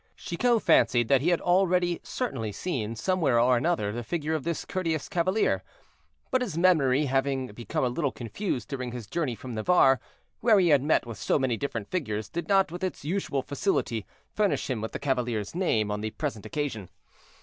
Chicot fancied that he had already certainly seen, somewhere or another, the figure of this courteous cavalier; but his memory, having become a little confused during his journey from Navarre, where he had met with so many different figures, did not, with its usual facility, furnish him with the cavalier's name on the present occasion.